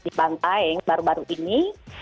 kasus di bantai baru baru ini